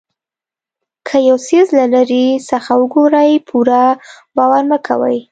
که یو څیز له لرې څخه ګورئ پوره باور مه کوئ.